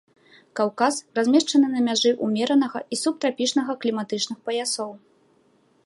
Каўказ размешчаны на мяжы ўмеранага і субтрапічнага кліматычных паясоў.